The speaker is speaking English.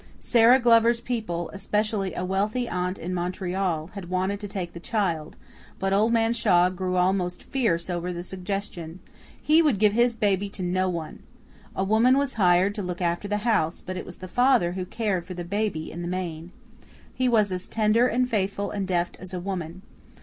Sara Glover's people, especially a wealthy aunt in Montreal, had wanted to take the child, but Old Man Shaw grew almost fierce over the suggestion. He would give his baby to no one. A woman was hired to look after the house, but it was the father who cared for the baby in the main. He was as tender and faithful and deft as a woman.